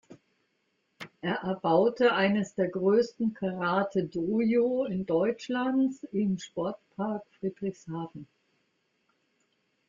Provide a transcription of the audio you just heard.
Er erbaute eines der größten Karate-Dōjō in Deutschlands im Sportpark Friedrichshafen.